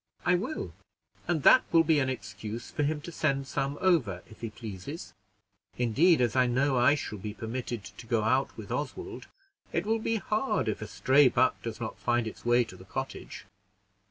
"I will, and that will be an excuse for him to send some over, if he pleases. Indeed, as I know I shall be permitted to go out with Oswald, it will be hard if a stray buck does not find its way to the cottage."